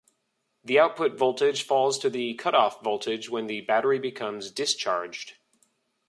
The output voltage falls to the cutoff voltage when the battery becomes "discharged".